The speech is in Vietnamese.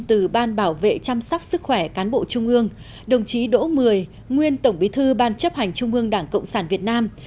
tổ chức khỏe cán bộ trung ương đồng chí đỗ mười nguyên tổng bí thư ban chấp hành trung ương đảng cộng sản việt nam